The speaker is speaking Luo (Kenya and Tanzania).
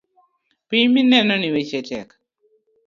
Piny minenoni weche tek .